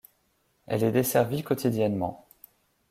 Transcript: Elle est desservie quotidiennement.